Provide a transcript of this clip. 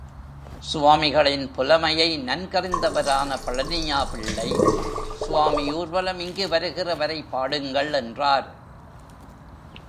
சுவாமிகளின் புலமையை நன்கறிந்தவரான பழனியாயிள்ளை, சுவாமி ஊர்வலம் இங்கு வருகிற, வரை பாடுங்கள் என்றார்.